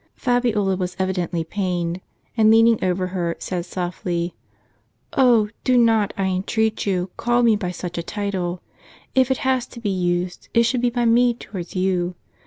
Fabiola was evident!}^ pained ; and leaning over her, said softly: " Oh, do not, I entreat you, call me by such a title. If it has to be used, it should be by me towards you.